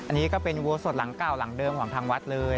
อันนี้ก็เป็นอุโบสถหลังเก่าหลังเดิมของทางวัดเลย